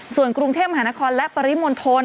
ส่วนกรุงเทพมหานครและปริมณฑล